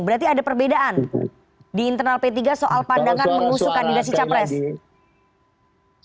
berarti ada perbedaan di internal p tiga soal pandangan mengusung kandidasi capres